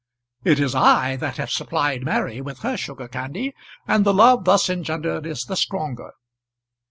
"It is I that have supplied Mary with her sugar candy, and the love thus engendered is the stronger."